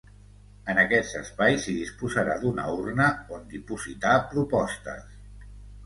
En aquests espais s’hi disposarà d’una urna on dipositar propostes.